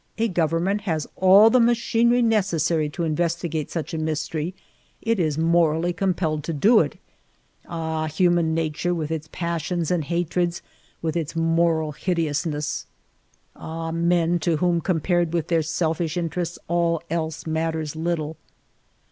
A government has all the machinery necessary to investigate such a mystery ; it is morally com pelled to do it. Ahj human nature with its passions and hatreds, with its moral hideousness ! Ah, men, to whom, compared with their selfish interests, all else matters little